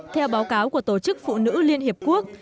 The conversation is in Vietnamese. theo báo cáo của tổ chức phụ nữ liên hiệp quốc